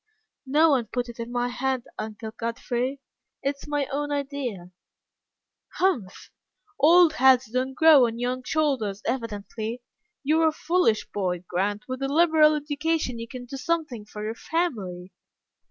"No one put it into my head, Uncle Godfrey. It's my own idea." "Humph! old heads don't grow on young shoulders, evidently. You are a foolish boy, Grant. With a liberal education you can do something for your family."